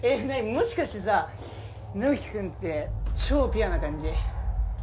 もしかしてさ直己くんって超ピュアな感じ？